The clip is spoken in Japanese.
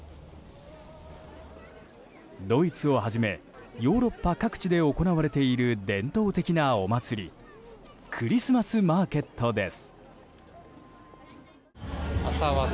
ドイツをはじめヨーロッパ各地で行われている伝統的なお祭りクリスマスマーケットです。